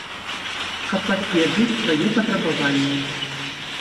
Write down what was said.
Каб пацвердзіць свае патрабаванні.